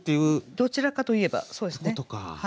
どちらかといえばそうですね。